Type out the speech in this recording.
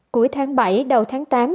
cuối tháng bảy đầu tháng tám